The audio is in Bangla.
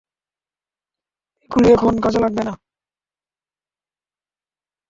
এগুলো এখন কাজে লাগবে না।